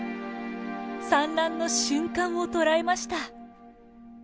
産卵の瞬間を捉えました。